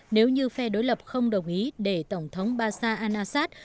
nếu như phe đối lập không đồng ý để tổng thống bashar al assad